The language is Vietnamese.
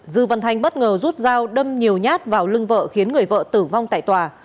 dư văn thanh bất ngờ rút dao đâm nhiều nhát vào lưng vợ khiến người vợ tử vong tại tòa